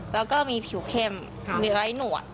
แล้วก็มีผิวเข้มมีไร้หนวด